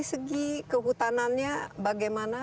segi kehutanannya bagaimana